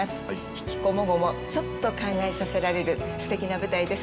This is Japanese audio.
悲喜こもごもちょっと考えさせられる素敵な舞台です。